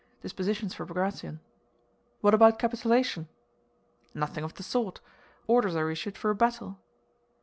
"Dispositions for Bagratión." "What about capitulation?" "Nothing of the sort. Orders are issued for a battle."